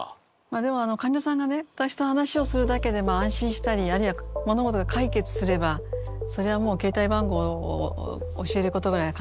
でも患者さんがね私と話をするだけで安心したりあるいは物事が解決すればそれはもう携帯番号を教えることぐらいは簡単なことです。